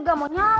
gak mau nyalaa